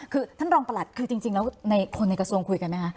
คือท่านรองประหลัดคือจริงแล้วในคนในกระทรวงคุยกันไหมคะ